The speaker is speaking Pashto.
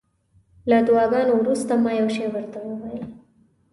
له دعاګانو وروسته ما یو شی ورته وویل.